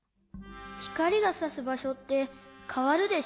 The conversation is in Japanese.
ひかりがさすばしょってかわるでしょ？